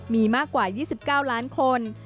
มีมากกว่า๒๙ล้านคน